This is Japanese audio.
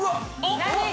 何？